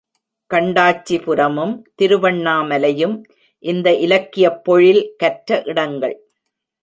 கண்டாச்சிபுரமும் திருவண்ணாமலையும் இந்த இலக்கியப் பொழில், கற்ற இடங்கள்.